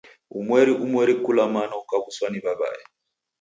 Umweri umweri kula mwana ukaw'uswa ni w'aw'ae.